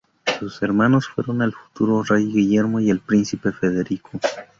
Sus hermanos fueron el futuro rey Guillermo y el príncipe Federico.